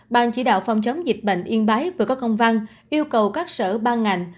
ban chỉ đạo phòng chống dịch bệnh yên bái vừa có công văn yêu cầu các sở ban ngành